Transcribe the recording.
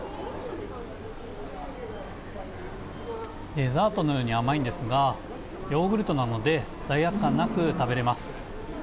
デザートのように甘いんですがヨーグルトなので罪悪感なく食べれます。